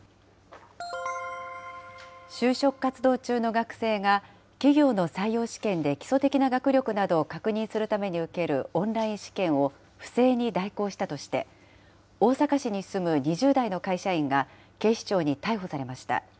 就職活動中の学生が、企業の採用試験で基礎的な学力などを確認するために受けるオンライン試験を不正に代行したとして、大阪市に住む２０代の会社員が、警視庁に逮捕されました。